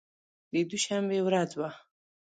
د دوشنبې ورځ وه.